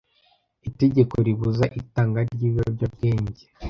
itegeko ribuza itanga ry'ibiyobyabwenge